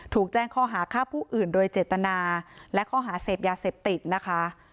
ถูกแจ้งข้อหาฆ่าผู้อื่นโดยเจตนาและข้อหาเสพยาเสพติดนะคะ